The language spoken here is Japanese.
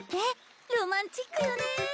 ロマンチックよね。